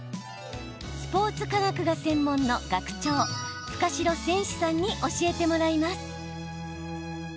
スポーツ科学が専門の学長深代千之さんに教えてもらいます。